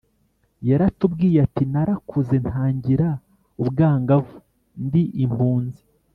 yaratubwiye, ati “narakuze ntangira ubwangavu ndi impunzi